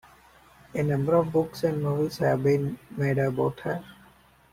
A number of books and movies have been made about her.